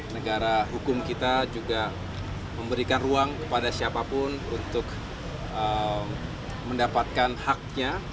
negara hukum kita juga memberikan ruang kepada siapapun untuk mendapatkan haknya